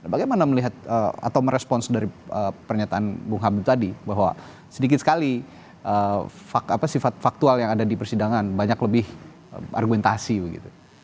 bagaimana melihat atau merespons dari pernyataan bung hamid tadi bahwa sedikit sekali sifat faktual yang ada di persidangan banyak lebih argumentasi begitu